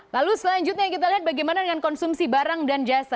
lalu selanjutnya kita lihat bagaimana dengan konsumsi barang dan jasa